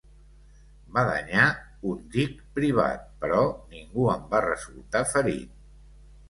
Va danyar un dic privat, però ningú en va resultar ferit.